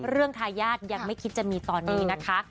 เรื่องค้าย่าดยังไม่คิดจะมีตอนนี้นะคะ